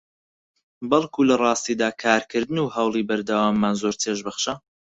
بەڵکو لەڕاستیدا کارکردن و هەوڵی بەردەواممان زۆر چێژبەخشە